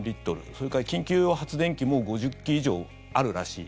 それから緊急用発電機も５０基以上あるらしい。